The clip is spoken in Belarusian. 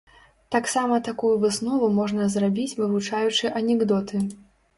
Таксама такую выснову можна зрабіць вывучаючы анекдоты.